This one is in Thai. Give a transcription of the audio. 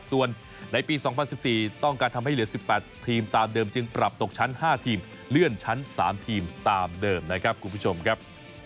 ส่วนในปี๒๐๑๔ต้องการทำให้เหลือ๑๘ทีมตามเดิมจึงปรับตกชั้น๕ทีมเลื่อนชั้น๓ทีมตามเดิมนะครับคุณผู้ชมครับ